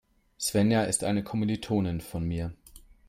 Svenja ist eine Kommilitonin von mir.